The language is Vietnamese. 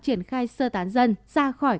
triển khai sơ tán dân ra khỏi